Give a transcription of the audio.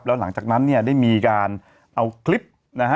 แล้วหลังจากนั้นเนี่ยได้มีการเอาคลิปนะฮะ